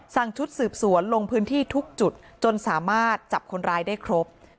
ชุดสืบสวนลงพื้นที่ทุกจุดจนสามารถจับคนร้ายได้ครบ